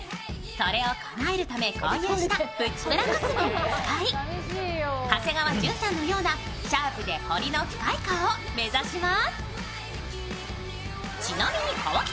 それをかなえるため購入したプチプラコスメを使い、長谷川潤さんのようなシャープで彫りの深い顔、目指します。